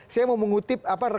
saya mau mengutip apa